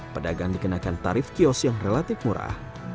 pedagang dikenakan tarif kios yang relatif murah